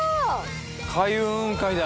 開運雲海だ。